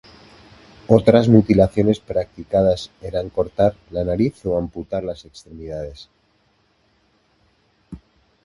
Otras mutilaciones practicadas eran cortar la nariz o amputar las extremidades.